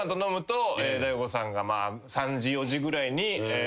大悟さんが３時４時ぐらいに。